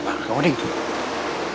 gak apa apa kamu dingin